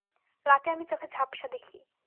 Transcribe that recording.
রাতে আমি চোখে ঝাপ্সা দেখি।